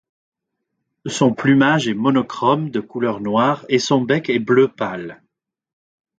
Son plumage est monochrome de couleur noire et son bec est bleu pâle.